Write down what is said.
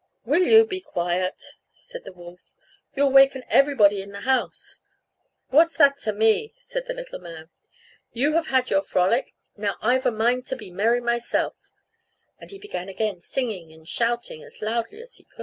"Will you be quiet?" said the wolf, "you'll awaken everybody in the house." "What's that to me?" said the little man, "you have had your frolic, now I've a mind to be merry myself;" and he began again singing and shouting as loudly as he could.